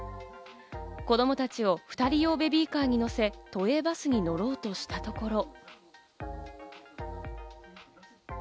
子供たちを２人用ベビーカーに乗せ、都営バスに乗ろうとしたところ。